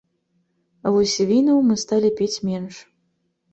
А вось вінаў мы сталі піць менш.